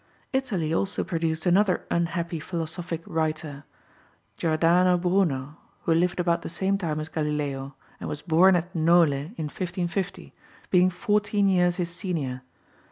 Italy also produced another unhappy philosophic writer, Jordano Bruno, who lived about the same time as Galileo, and was born at Nole in 1550, being fourteen years his senior.